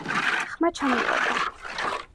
ხმა ჩამივარდა.